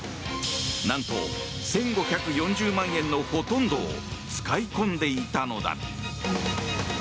何と、１５４０万円のほとんどを使い込んでいたのだ。